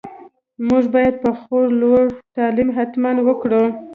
موږ باید په خور لور تعليم حتماً وکړو.